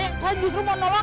syukur deh mah ampus lu lama